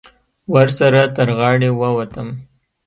ورسره تر غاړې ووتم.